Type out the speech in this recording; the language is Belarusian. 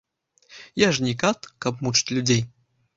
Я ж не кат, каб мучыць людзей.